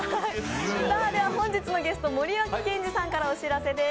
本日のゲスト森脇健児さんからお知らせです。